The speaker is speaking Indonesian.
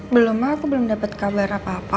belum mah aku belum dapet kabar apa apa